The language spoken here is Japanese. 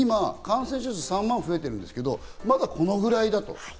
今、３万増えているんですけど、まだこのぐらいだと。